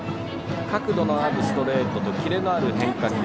角度のあるストレートとキレのある変化球。